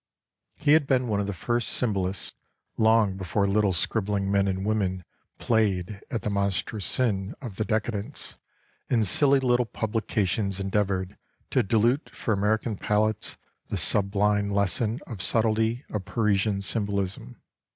He had been one of the first symbolists, long before little scribbling men and women played at the monstrous sin of the decadence, and silly little publications endeavored to dilute for American palates the sublime lesson of subtlety of Parisian symbolism.